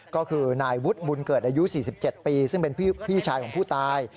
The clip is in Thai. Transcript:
ก็คือนายวุฒิบุญเกิดอายุ๔๗ปีซึ่งเป็นพี่ชายของผู้ตาย